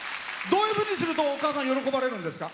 どういうふうにするとお母様、喜ばれるんですか？